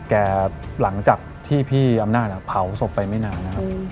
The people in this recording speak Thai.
หลังจากที่พี่อำนาจเผาศพไปไม่นานนะครับ